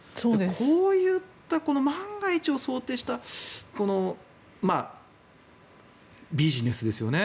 こういった万が一を想定したビジネスですよね。